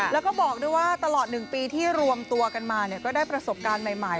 แล้วก็บอกด้วยว่าตลอด๑ปีที่รวมตัวกันมาก็ได้ประสบการณ์ใหม่